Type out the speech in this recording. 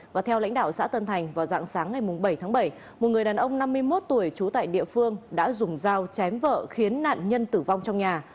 và theo lãnh đạo xã tân thành vào dạng sáng ngày bảy tháng bảy một người đàn ông năm mươi một tuổi trú tại địa phương đã dùng dao chém vợ khiến nạn nhân tử vong trong nhà